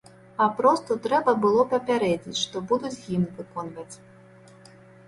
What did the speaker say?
Папросту трэба было папярэдзіць, што будуць гімн выконваць.